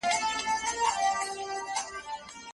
هغوی بايد له اسلامي حکومت سره وفادار پاتې سي.